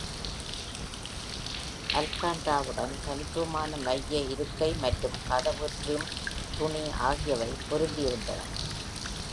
அல்காண்டராவுடன் தனித்துவமான மைய இருக்கை மற்றும் கதவு டிரிம் துணி ஆகியவை பொருந்தி இருந்தன.